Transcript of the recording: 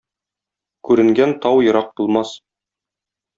Күренгән тау ерак булмас.